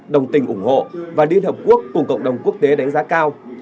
đồng tình ủng hộ và liên hợp quốc cùng cộng đồng quốc tế đánh giá cao